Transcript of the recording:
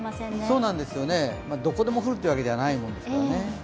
そうなんですよね、どこでも降るっていうわけではないもんですからね。